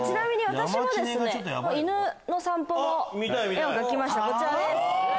私も犬の散歩の絵を描きましたこちらです。